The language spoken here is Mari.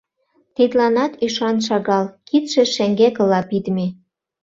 Тидланат ӱшан шагал: кидше шеҥгекыла пидме.